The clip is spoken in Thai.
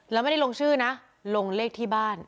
แล้วไม่ได้ลงชื่อนะลงเลขที่บ้าน